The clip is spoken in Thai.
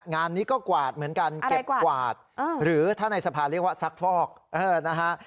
งานนี้ก็กวาดเหมือนกันเก็บกวาดหรือถ้าในสภาเรียกว่าซักฟอกนะฮะ